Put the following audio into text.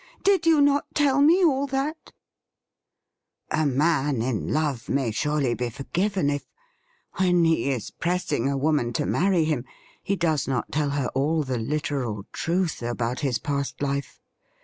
Did you not tell me all that ?''' A man in love may surely be forgiven if — when he is pressing a woman to marry him — ^he does not tell her all the literal truth about his past life.'